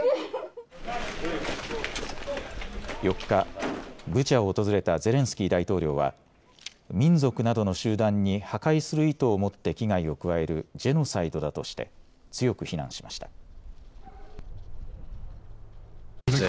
４日、ブチャを訪れたゼレンスキー大統領は民族などの集団に破壊する意図をもって危害を加えるジェノサイドだとして強く非難しました。